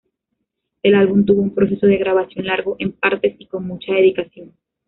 El álbum tuvo un proceso de grabación largo, en partes y con mucha dedicación.